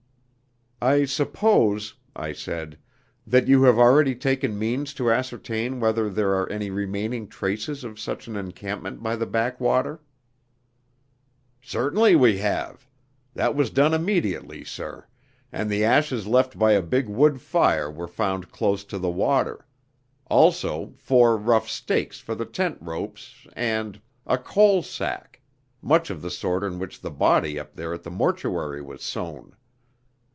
"I suppose," I said, "that you have already taken means to ascertain whether there are any remaining traces of such an encampment by the backwater?" "Certainly we have. That was done immediately, sir, and the ashes left by a big wood fire were found close to the water; also four rough stakes for the tent ropes, and a coal sack much of the sort in which the body up there at the mortuary was sewn.